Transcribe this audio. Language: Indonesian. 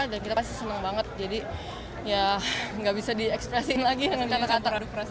dan kita pasti seneng banget jadi ya gak bisa diekspresiin lagi dengan kata kata